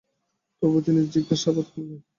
তবু তিনি তাদের জিজ্ঞাসাবাদ করলেন।